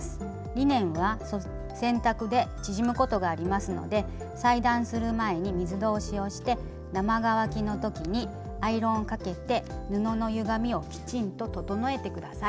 リネンは洗濯で縮むことがありますので裁断する前に水通しをして生乾きのときにアイロンをかけて布のゆがみをきちんと整えてください。